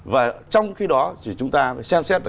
và trong khi đó chỉ chúng ta xem xét